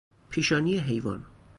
پیشانی حیوان